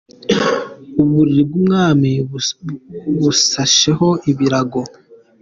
Uburiri bw’umwami busasheho ibirago.